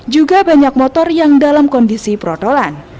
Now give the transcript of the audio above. juga banyak motor yang dalam kondisi perotolan